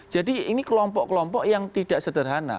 jadi ini kelompok kelompok yang tidak sederhana